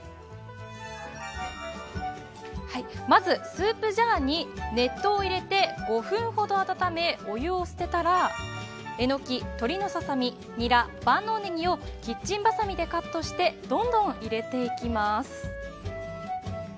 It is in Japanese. まずスープジャーに熱湯を入れて５分ほど温めお湯を捨てたらえのき、とりのささみにら、万能ネギをキッチンバサミでカットしてどんどん入れていきます。